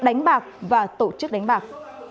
tội đánh bạc và tổ chức đánh bạc